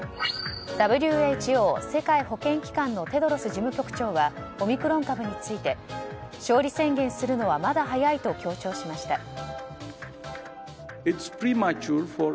ＷＨＯ・世界保健機関のテドロス事務局長はオミクロン株について勝利宣言するのはまだ早いと強調しました。